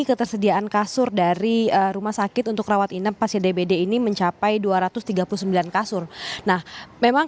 ketersediaan kasur dari rumah sakit untuk rawat inap pasien dbd ini mencapai dua ratus tiga puluh sembilan kasur nah memang